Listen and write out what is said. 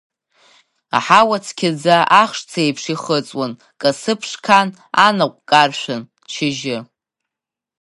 Аҳауа цқьаӡа ахшцеиԥш ихыҵуан, касы ԥшқан анаҟәкаршәын шьыжьы.